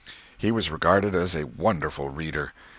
He was regarded as a wonderful reader.